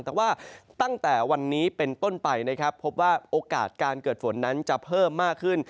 แต่ว่าตั้งแต่วันนี้เป็นต้นไปนะครับพบว่าโอกาสการเกิดฝนนั้นจะเพิ่มมากขึ้น